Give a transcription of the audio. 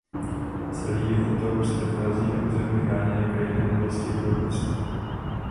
Celý jeho tok se nachází na území chráněné krajinné oblasti Broumovsko.